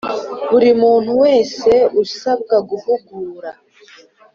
Buri muntu wese usabwa guhugura